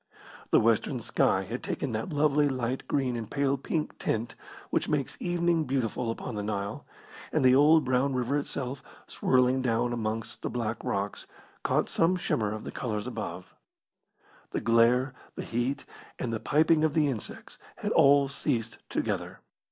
The western sky had taken that lovely light green and pale pink tint which makes evening beautiful upon the Nile, and the old brown river itself, swirling down amongst the black rocks, caught some shimmer of the colours above. The glare, the heat, and the piping of the insects had all ceased together.